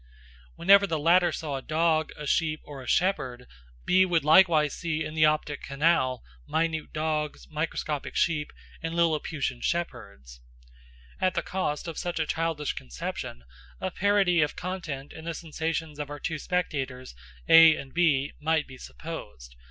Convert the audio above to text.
Whenever the latter saw a dog, a sheep, or a shepherd, B would likewise see in the optic canal minute dogs, microscopic sheep, and Lilliputian shepherds. At the cost of such a childish conception, a parity of content in the sensations of our two spectators A and B might be supposed.